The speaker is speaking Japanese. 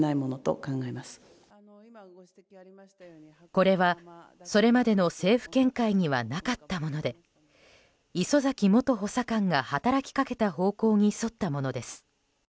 これは、それまでの政府見解にはなかったもので礒崎元補佐官が働きかけた方向に沿ったものです。